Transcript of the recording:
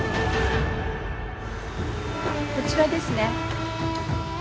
こちらですね。